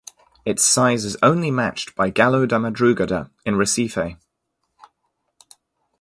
Its size is only matched by Galo da Madrugada in Recife.